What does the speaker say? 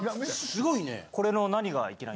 すごいね。